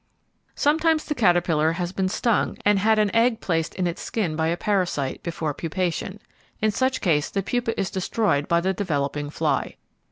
Sometimes the caterpillar has been stung and bad an egg placed in its skin by a parasite, before pupation. In such case the pupa is destroyed by the developing fly.